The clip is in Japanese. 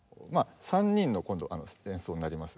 ３人の今度演奏になります。